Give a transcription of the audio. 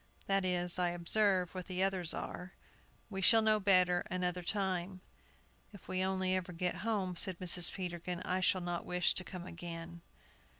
That is, I observe, what the others are. We shall know better another time." "If we only ever get home," said Mrs. Peterkin, "I shall not wish to come again.